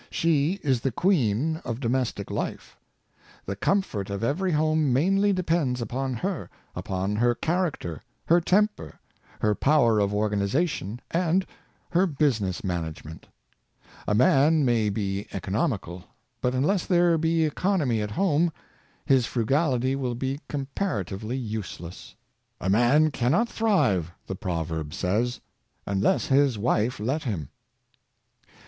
She is the queen of domestic life. The comfort of every home mainly depends upon her — upon her character, her temper, her power of organization, and her business management. A man may be econ omical, but unless there be economy at home, his fru gality will be comparatively useless. ^' A man cannot thrive," the proverb says, ^'unless his wife let him."